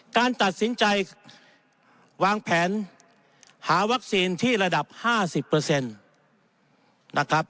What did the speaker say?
การตัดสินใจวางแผนหาวัคซีนที่ระดับ๕๐เปอร์เซ็นต์